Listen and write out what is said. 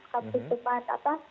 kampung teman apa